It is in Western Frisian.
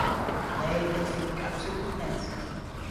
Nee, dat fyn ik absolút net.